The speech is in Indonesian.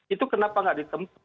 itu kenapa nggak ditentu